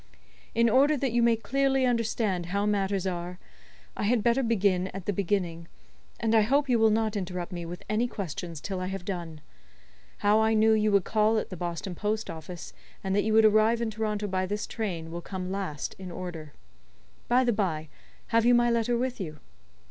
In order that you may clearly understand how matters are, I had better begin at the beginning, and I hope you will not interrupt me with any questions till I have done. How I knew you would call at the Boston post office, and that you would arrive in Toronto by this train, will come last in order. By the by, have you my letter with you?"